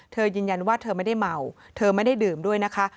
ยืนยันว่าเธอไม่ได้เมาเธอไม่ได้ดื่มด้วยนะคะ